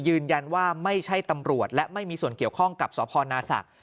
ไม่ใช่ตำรวจและไม่มีส่วนเกี่ยวข้องกับสพนาศักดิ